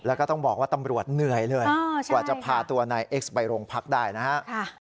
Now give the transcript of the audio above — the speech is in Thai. แล้วก็ต้องบอกว่าตำรวจเหนื่อยเลยกว่าจะพาตัวนายเอ็กซ์ไปโรงพักได้นะฮะ